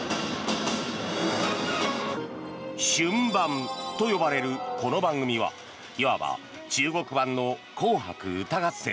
「春晩」と呼ばれるこの番組はいわば中国版の「紅白歌合戦」。